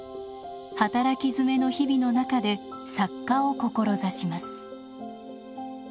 働きづめの日々の中で作家を志します。